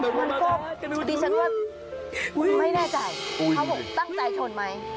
มาดูไปไม่แน่ใจค่ะตั้งใจชนไหม